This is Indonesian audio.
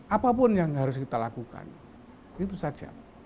apapun yang harus kita lakukan itu saja